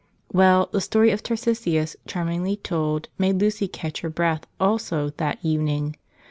Well, the story of Tarsicius, charmingly told, made Lucy catch her breath, also, that evening.